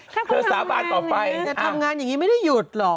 แค่คงทำงานอย่างนี้ทำงานอย่างนี้ไม่ได้หยุดหรอก